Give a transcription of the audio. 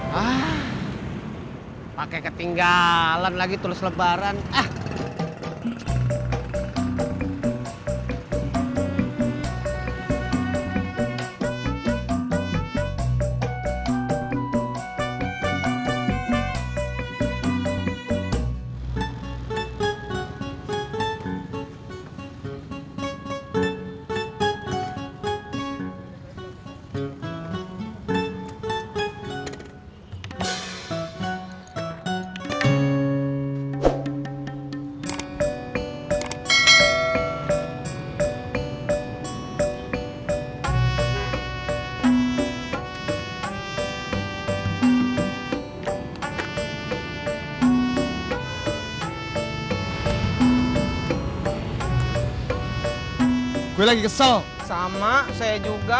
hai ah pakai ketinggalan lagi tulis lebaran ah